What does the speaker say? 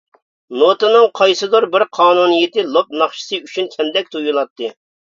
نوتىنىڭ قايسىدۇر بىر قانۇنىيىتى لوپ ناخشىسى ئۈچۈن كەمدەك تۇيۇلاتتى.